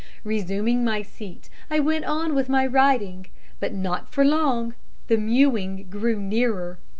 Resuming my seat I went on with my writing, but not for long. The mewing grew nearer.